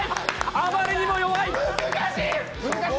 あまりにも弱い！